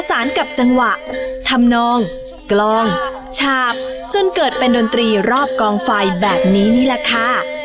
ธรรมนองกล้องฉาบจนเกิดเป็นดนตรีรอบกองไฟแบบนี้นี่แหละค่ะ